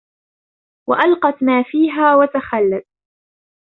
وألقت ما فيها وتخلت